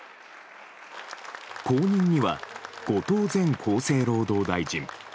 後任には後藤前厚生労働大臣。